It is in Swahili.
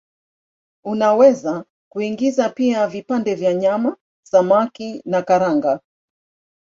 Unaweza kuingiza pia vipande vya nyama, samaki na karanga.